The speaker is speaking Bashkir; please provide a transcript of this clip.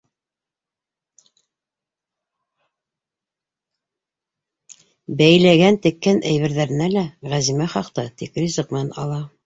Бәйләгән-теккән әйберҙәренә лә Ғәзимә хаҡты тик ризыҡ менән ала.